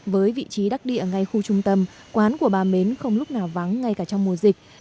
với vị trí đắc địa ngay khu trung tâm quán của bà mến không lúc nào vắng ngay cả trong mùa dịch